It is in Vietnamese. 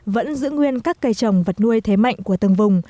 vẫn giữ nguyên các cây trồng vật nuôi thế mạnh của từng vùng